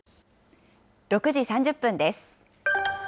６時３０分です。